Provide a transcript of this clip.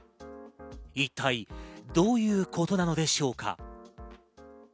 一体どういうことなのでしょうか。